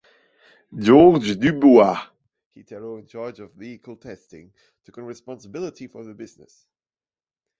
Georges Dubois, hitherto in charge of vehicle testing, took on responsibility for the business.